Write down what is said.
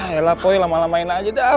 yalah poh lama lamain aja deh